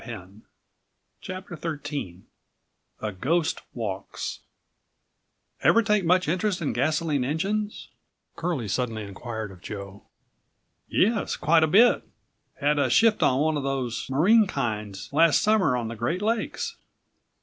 134 CHAPTER XIIIA GHOST WALKS "Ever take much interest in gasoline engines?" Curlie suddenly inquired of Joe. "Yes, quite a bit; had a shift on one of those marine kinds last summer on the Great Lakes."